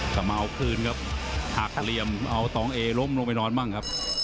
เอามาเอาคืนครับหักเหลี่ยมเอาตองเอล้มลงไปนอนมั่งครับ